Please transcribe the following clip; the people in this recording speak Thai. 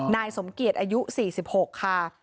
นายสมเกียจอายุ๔๖ค่ะ